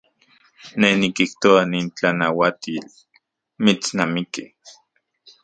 Ne nikijtoa nin tlanauatil mitsnamiki.